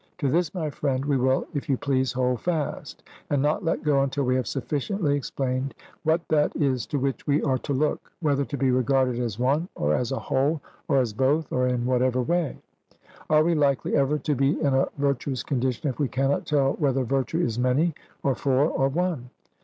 To this, my friends, we will, if you please, hold fast, and not let go until we have sufficiently explained what that is to which we are to look, whether to be regarded as one, or as a whole, or as both, or in whatever way. Are we likely ever to be in a virtuous condition, if we cannot tell whether virtue is many, or four, or one?